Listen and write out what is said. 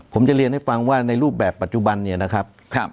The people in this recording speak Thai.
ผมจะเรียนให้ฟังว่าในรูปแบบปัจจุบันเนี่ยนะครับ